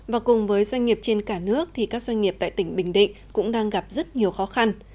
và cùng với doanh nghiệp trên cả nước thì các doanh nghiệp tại tỉnh bình định cũng đang gặp rất nhiều khó khăn